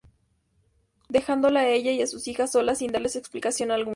Dejándola a ella y a sus hijas solas sin darles explicación alguna.